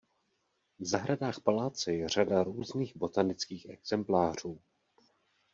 V zahradách paláce je řada různých botanických exemplářů.